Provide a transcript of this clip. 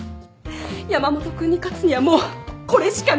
山本君に勝つにはもうこれしかないの！